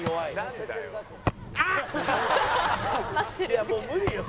「いやもう無理よ